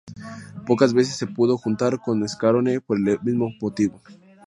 Pocas veces se pudo juntar con Scarone por el mismo motivo.